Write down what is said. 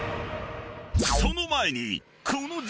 ［その前に］